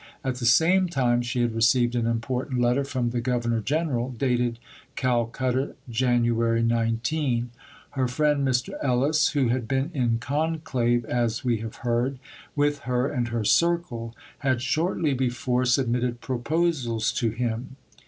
At the same time she had received an important letter from the Governor General (dated Calcutta, Jan. 19). Her friend, Mr. Ellis, who had been in conclave (as we have heard) with her and her circle, had shortly before submitted proposals to him.